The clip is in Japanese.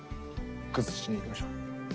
崩しにいきましょう。